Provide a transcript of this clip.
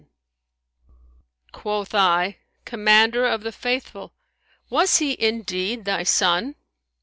[FN#167] Quoth I, O Commander of the Faithful, was he indeed thy son?'